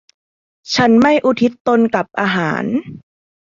ฉันไม่อุทิศตนกับอาหาร